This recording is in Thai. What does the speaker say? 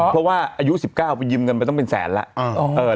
เพราะว่าอายุ๑๙ไปยืมเงินไปต้องเป็นแสนแล้ว